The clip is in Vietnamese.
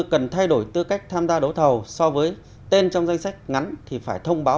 cần thay đổi tư cách tham gia đấu thầu so với tên trong danh sách ngắn thì phải thông báo